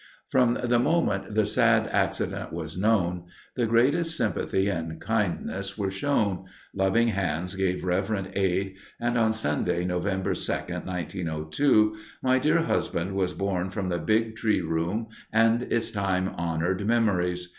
From the moment the sad accident was known, the greatest sympathy and kindness were shown, loving hands gave reverent aid—and on Sunday, Nov. 2, 1902, my dear husband was borne from the Big Tree Room and its time honored memories.